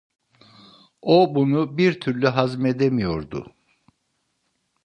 O bunu bir türlü hazmedemiyordu.